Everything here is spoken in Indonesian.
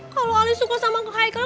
kalau ali suka sama ke haikal